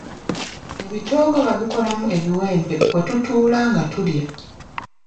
Ebitoogo babikolamu ebiwempe kwe tutuula nga tulya.